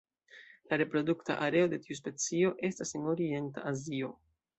La reprodukta areo de tiu specio estas en Orienta Azio.